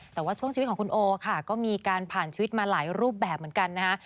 แต่ว่าช่วงชีวิตของคุณโอค่ะก็มีการผ่านชีวิตมาหลายรูปแบบเหมือนกันนะคะ